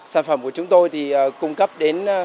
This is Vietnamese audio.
sản phẩm của chúng tôi thì cung cấp đến